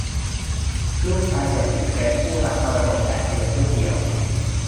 ลูกชายเศรษฐีเป็นผู้รับมรดกแต่เพียงผู้เดียว